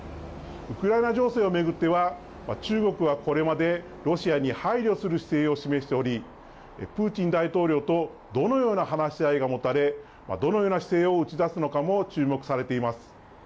ウクライナ情勢を巡っては、中国はこれまで、ロシアに配慮する姿勢を示しており、プーチン大統領とどのような話し合いが持たれ、どのような姿勢を打ち出すのかも注目されています。